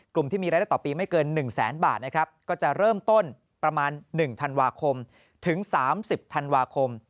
กลุ่มที่มีรายได้ต่อปีไม่เกิน๑แสนบาทนะครับก็จะเริ่มต้นประมาณ๑ธันวาคมถึง๓๐ธันวาคม